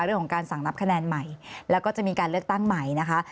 เรื่องของการสั่งนับคะแนนใหม่แล้วก็จะมีการเลือกตั้งใหม่นะคะ